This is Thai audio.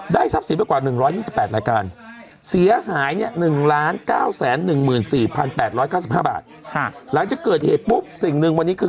ได้ทรัพย์เสียไปกว่า๑๒๘รายการ